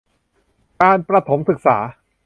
การประถมศึกษา